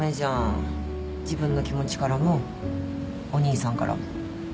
自分の気持ちからもお兄さんからも。